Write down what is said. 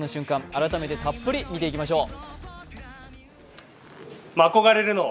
改めてたっぷり見ていてきましょう。